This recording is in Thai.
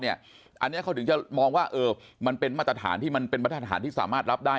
อันนี้เขาถึงจะมองว่ามันเป็นมาตรฐานที่สามารถรับได้